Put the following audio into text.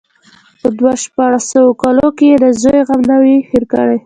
په دو شپاړسو کالو کې يې د زوى غم نه وي هېر کړى.